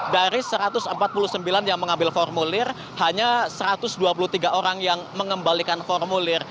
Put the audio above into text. dari satu ratus empat puluh sembilan yang mengambil formulir hanya satu ratus dua puluh tiga orang yang mengembalikan formulir